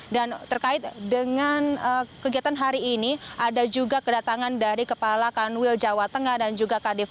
dan terkait dengan kegiatan hari ini ada juga kedatangan dari kepala kanwil jawa tengah dan juga kdv